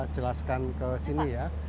jelaskan ke sini ya